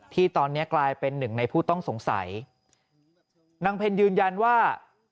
ตอนเนี้ยกลายเป็นหนึ่งในผู้ต้องสงสัยนางเพ็ญยืนยันว่า